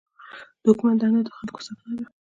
د حکومت دنده د خلکو ساتنه ده.